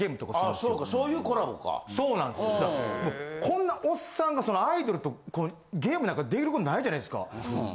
こんなオッサンがそのアイドルとゲームなんかできることないじゃないですか。